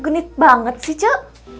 genit banget sih cuk